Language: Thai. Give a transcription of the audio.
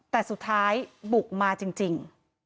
แต่สุดท้ายบุกมาจริง